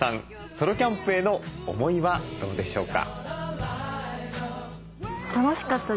ソロキャンプへの思いはどうでしょうか。